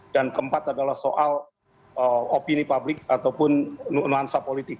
dan keempat adalah soal opini publik ataupun nuansa politik